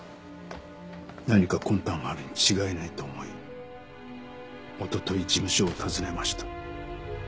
何か魂胆があるに違いないと思いおととい事務所を訪ねました。